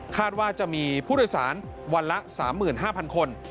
ว่าจะมีผู้โดยสารวันละ๓๕๐๐คน